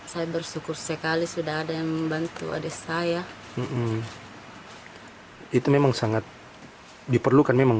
saya bersyukur sekali sudah ada yang membantu adik saya itu memang sangat diperlukan memang